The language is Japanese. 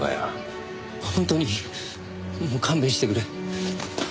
本当にもう勘弁してくれ。